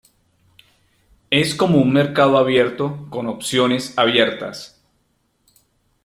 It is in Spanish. Es como un mercado abierto con opciones abiertas.